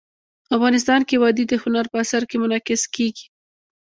افغانستان کې وادي د هنر په اثار کې منعکس کېږي.